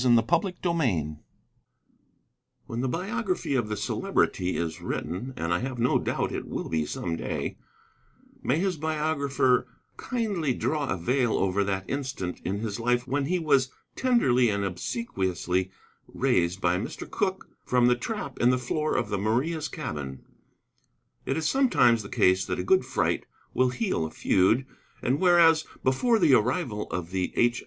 CHAPTER XIX When the biography of the Celebrity is written, and I have no doubt it will be some day, may his biographer kindly draw a veil over that instant in his life when he was tenderly and obsequiously raised by Mr. Cooke from the trap in the floor of the Maria's cabin. It is sometimes the case that a good fright will heal a feud. And whereas, before the arrival of the H.